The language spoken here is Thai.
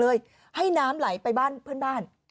แล้วก็ให้น้ำจากบ้านเขาลงคลอมผ่านที่สุดท้าย